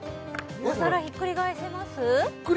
お皿ひっくり返せます？